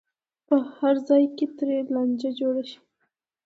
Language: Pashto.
په هر ځای کې ترې لانجه جوړه شي.